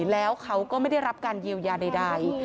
แล้วเขาก็ไม่ได้รับการเยียวยาใด